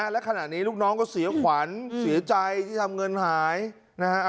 และขณะนี้ลูกน้องก็เสียขวัญเสียใจที่ทำเงินหายนะฮะ